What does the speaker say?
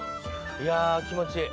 いやぁ気持ちいい。